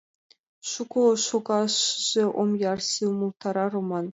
Шуко шогашыже ом ярсе, — умылтара Раман.